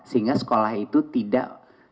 sehingga sekolah itu tidak